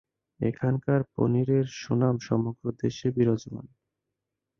এখানকার পনিরের সুনাম সমগ্র দেশে বিরাজমান।